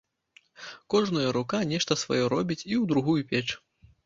Кожная рука нешта сваё робіць і ў другую печ.